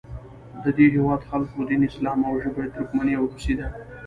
د دې هیواد خلکو دین اسلام او ژبه یې ترکمني او روسي ده.